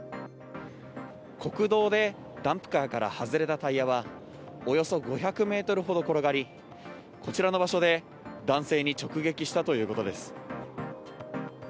国道でダンプカーから外れたタイヤはおよそ５００ｍほど転がりこちらの場所で男性に直撃したということです。